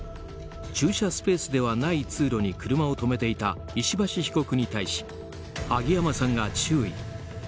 駐車スペースではない通路に車を止めていた石橋被告に対し、萩山さんが注意。